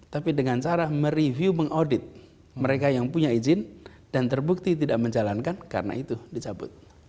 tapi dengan cara mereview mengaudit mereka yang punya izin dan terbukti tidak menjalankan karena itu dicabut